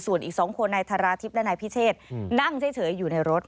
ส่วนอีก๒คนนายธาราทิพย์และนายพิเชษนั่งเฉยอยู่ในรถ